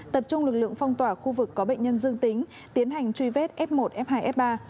tập trung lực lượng phong tỏa khu vực có bệnh nhân dương tính tiến hành truy vết f một f hai f ba